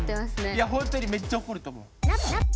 いや本当にめっちゃ怒ると思う。